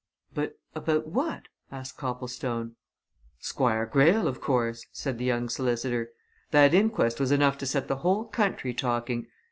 "But about what?" asked Copplestone. "Squire Greyle, of course," said the young solicitor; "that inquest was enough to set the whole country talking.